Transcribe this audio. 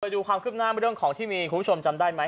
ดูความคืบหน้าเรื่องของที่มีคุณผู้ชมจำได้ไหม